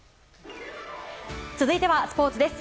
続いてはスポーツです。